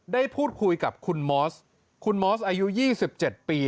ได้พูดคุยกับคุณมอสคุณมอสอายุ๒๗ปี